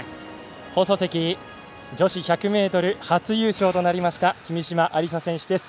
放送席、女子１００ｍ初優勝となりました君嶋愛梨沙選手です。